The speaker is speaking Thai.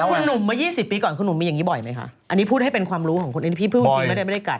คุณหนุ่มมา๒๐ปีก่อนคุณหนุ่มมีอย่างนี้บ่อยไหมคะอันนี้พูดให้เป็นความรู้ของคนอื่นพี่พูดจริงไม่ได้กัด